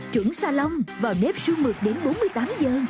trứng xa lông vào nếp sương mực đến bốn mươi tám h